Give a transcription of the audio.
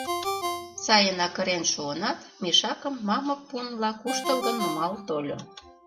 Сайынак ырен шуынат, мешакым мамык пунла куштылгын нумал тольо.